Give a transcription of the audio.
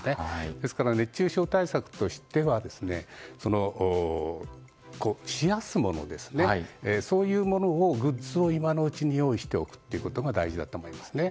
ですから熱中症対策としては冷やすもの、そういうグッズと今のうちに用意しておくことが大事だと思います。